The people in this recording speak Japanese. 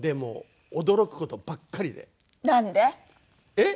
えっ？